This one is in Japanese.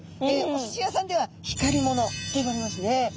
おすし屋さんでは光り物と呼ばれますね。